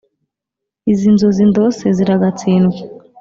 izi nzozi ndose ziragatsindwa